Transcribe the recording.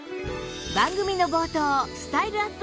番組の冒頭スタイルアップ